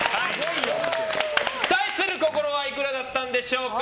対するこゝろはいくらだったんでしょうか。